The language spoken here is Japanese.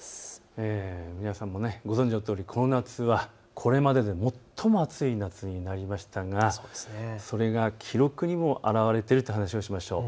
皆さんもご存じのとおりこの夏はこれまでで最も暑い夏になりましたがそれが記録にも表れているという話をしましょう。